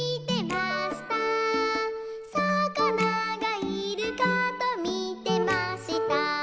「さかながいるかとみてました」